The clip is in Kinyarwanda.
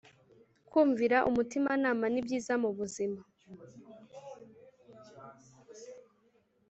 kumvira umutima nama nibyiza mubuzima